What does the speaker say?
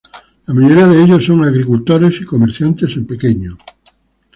La mayoría de ellos son agricultores y comerciantes en pequeño.